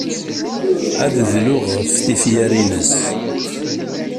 Ad dluɣ ɣef tefyar-nnes.